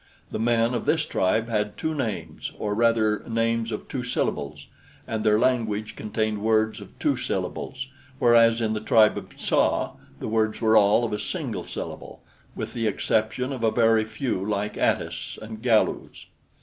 The men of this tribe had two names, or rather names of two syllables, and their language contained words of two syllables; whereas in the tribe of Tsa the words were all of a single syllable, with the exception of a very few like Atis and Galus.